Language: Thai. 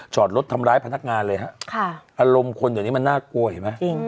จอดรถทำร้ายพนักงานเลยฮะค่ะอารมณ์คนเดี๋ยวนี้มันน่ากลัวเห็นไหม